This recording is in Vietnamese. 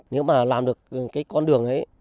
nhưng mà làm được cái con đường ấy